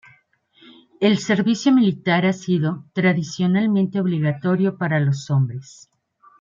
El servicio militar ha sido tradicionalmente obligatorio para los hombres.